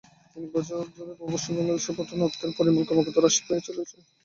তিন বছর ধরে প্রবাসী বাংলাদেশিদের পাঠানো অর্থের পরিমাণ ক্রমাগত হ্রাস পেয়ে চলেছে।